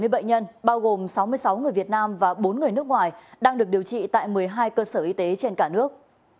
hai mươi bệnh nhân bao gồm sáu mươi sáu người việt nam và bốn người nước ngoài đang được điều trị tại một mươi hai cơ sở y tế trên cả nước